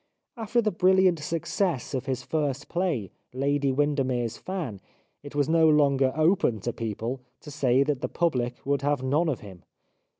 After the brilliant success of his first play, " Lady Windermere's Fan," it was no longer open to people to say that the public would have none of him.